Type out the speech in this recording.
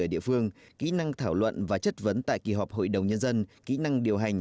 địa phương kỹ năng thảo luận và chất vấn tại kỳ họp hội đồng nhân dân kỹ năng điều hành